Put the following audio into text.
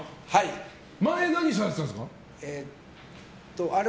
前、何されてたんですか？